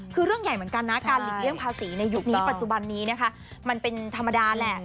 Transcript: คือเรื่องใหญ่เหมือนกันนะการหลีกเลี่ยงภาษีในยุคนี้ปัจจุบันนี้นะคะมันเป็นธรรมดาแหละ